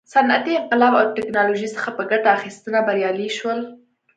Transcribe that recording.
صنعتي انقلاب او ټکنالوژۍ څخه په ګټه اخیستنه بریالي شول.